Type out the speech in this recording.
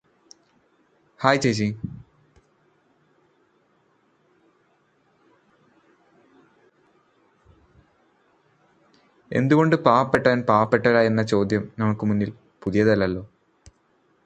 എന്തുകൊണ്ട് പാവപ്പെട്ടവര് പാവപ്പെട്ടവരായി എന്ന ചോദ്യം നമുക്കു മുന്നിൽ പുതിയതല്ലല്ലോ.